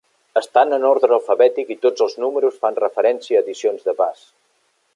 Estan en ordre alfabètic i tots els números fan referència a edicions de "Buzz".